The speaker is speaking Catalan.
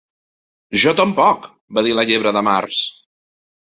"Jo tampoc," va dir la Llebre de Març.